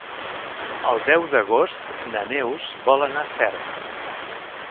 El deu d'agost na Neus vol anar a Cercs.